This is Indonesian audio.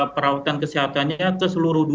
oh bisa perawatan kesehatannya ke seluruh negara